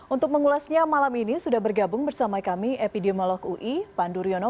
untuk mengulasnya malam ini sudah bergabung bersama kami epidemiolog ui pandu riono